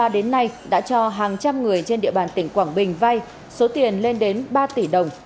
một nghìn chín trăm hai mươi ba đến nay đã cho hàng trăm người trên địa bàn tỉnh quảng bình vai số tiền lên đến ba tỷ đồng